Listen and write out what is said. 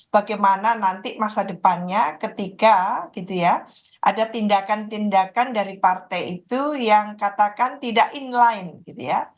bagaimana nanti masa depannya ketika gitu ya ada tindakan tindakan dari partai itu yang katakan tidak inline gitu ya